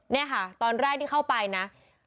นี่ค่ะตอนแรกที่เข้าไปนะ